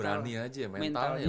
berani aja ya mentalnya